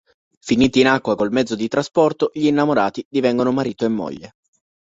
Finiti in acqua col mezzo di trasporto, gli innamorati divengono marito e moglie.